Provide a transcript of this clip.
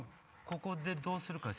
ここでどうするか？